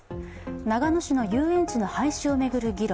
長野市の遊園地の廃止を巡る議論。